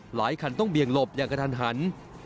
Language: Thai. หลายคันต้องเบี่ยงหลบอย่างกระทันหัน